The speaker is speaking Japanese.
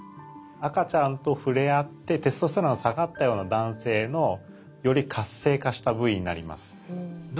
赤ちゃんと触れあってテストステロンが下がったような男性のより活性化した部位になります。